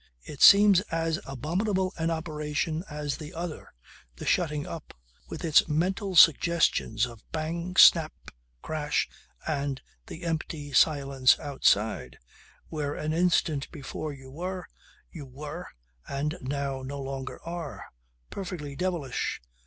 It seems as abominable an operation as the other, the shutting up with its mental suggestions of bang, snap, crash and the empty silence outside where an instant before you were you were and now no longer are. Perfectly devilish.